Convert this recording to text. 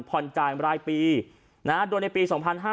ผ่อนจ่ายรายปีโดยในปี๒๕๕๙